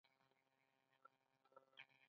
سږي څنګه کار کوي؟